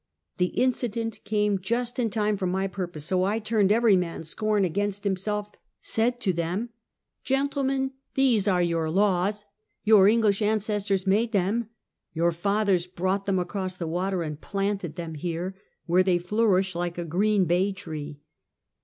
The incident came just in time for my purpose, so I turned every man's scorn against himself, said to them: "Gentlemen, these are your laws! Your English ancestors made them! Your fathers brought them across the water and planted them here, where they flourish like a green bay tree.